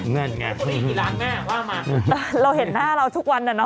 นั่นไงกี่ล้านแม่ว่ามาเราเห็นหน้าเราทุกวันน่ะเนอ